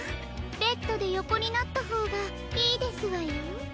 ベッドでよこになったほうがいいですわよ。